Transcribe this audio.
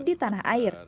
di tanah air